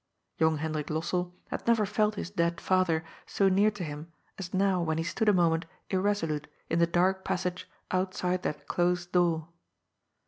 Young Hendrik Lossell had never felt his dead father so near to him as now when he stood a moment irresolute in the dark passage outside that closed door.